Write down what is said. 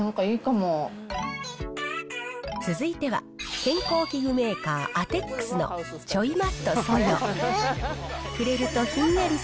続いては、健康器具メーカー、アテックスのちょいマットそよ。